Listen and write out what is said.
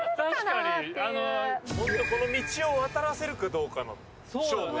ホントこの道を渡らせるかどうかの勝負ですね。